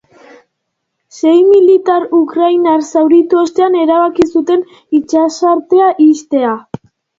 Sei militar ukrainar zauritu ostean erabaki zuten itsasartea ixtea.